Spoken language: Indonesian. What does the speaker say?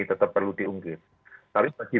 tetap perlu diungkap tapi bagi